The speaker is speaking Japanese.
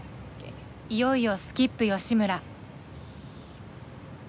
いよいよスキップ吉村。